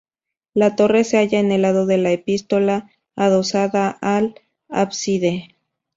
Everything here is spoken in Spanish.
La torre se halla en el lado de la epístola, adosada al ábside.